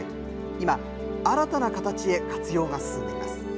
今、新たな形へ活用が進んでいます。